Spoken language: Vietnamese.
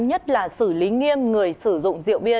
nhất là xử lý nghiêm người sử dụng rượu bia